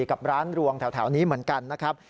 กับร้านรวงแถวนี้เหมือนกันนะครับ